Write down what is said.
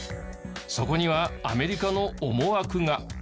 そこにはアメリカの思惑が。